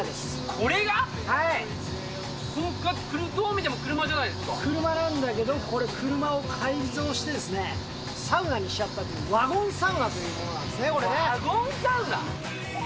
これ、どう見ても車じゃない車なんだけど、これ、車を改造してですね、サウナにしちゃったっていう、ワゴンサウナというワゴンサウナ？